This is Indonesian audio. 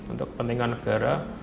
untuk kepentingan negara